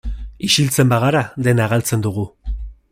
Isiltzen bagara dena galtzen dugu.